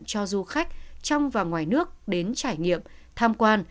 cho du khách trong và ngoài nước đến trải nghiệm tham quan